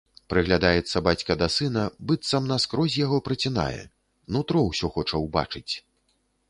Прыглядаецца бацька да сына, быццам наскрозь яго працінае, нутро ўсё хоча ўбачыць.